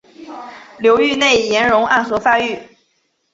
流域内岩溶暗河发育。